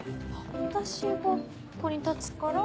私がここに立つから。